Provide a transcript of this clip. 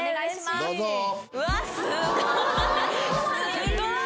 すごい！